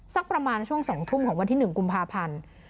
สักประมาณช่วง๒ทุ่มของวันที่๑กุมภาพันธ์